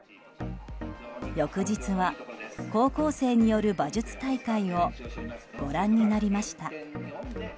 翌日は、高校生による馬術大会をご覧になりました。